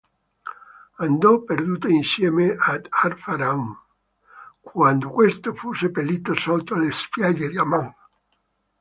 Andò perduta insieme ad Ar-Pharazôn, quando questi fu seppellito sotto le spiagge di Aman.